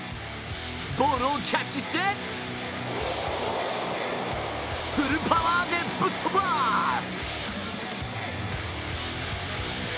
ボールをキャッチしてフルパワーでぶっ飛ばす！